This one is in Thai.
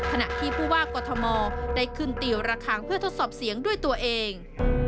ขณะที่ผู้ว่ากอทมได้ขึ้นตีระคังเพื่อทดสอบเสียงด้วยตัวเอง